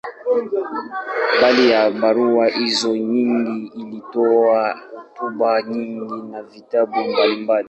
Mbali ya barua hizo nyingi, alitoa hotuba nyingi na vitabu mbalimbali.